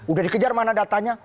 udah dikejar mana datanya